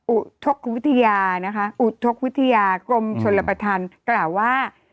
อุทธกวิทยากรมชนรบทานกล่าวว่า